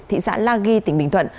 thị xã la ghi tỉnh bình thuận